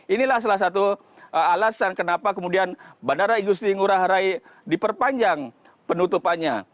inilah salah satu alasan kenapa kemudian bandara igusti ngurah rai diperpanjang penutupannya